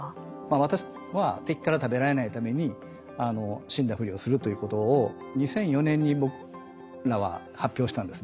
私は敵から食べられないために死んだふりをするということを２００４年に僕らは発表したんですね。